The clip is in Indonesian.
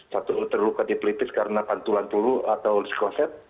satu terluka di pelipis karena pantulan peluru atau psikoset